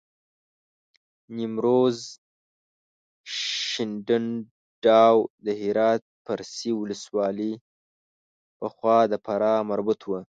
نیمروز، شینډنداو د هرات فرسي ولسوالۍ پخوا د فراه مربوط وه.